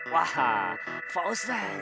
wah pak ustadz